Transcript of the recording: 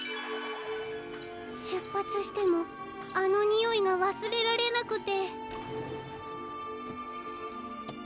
しゅっぱつしてもあのにおいがわすれられなくて。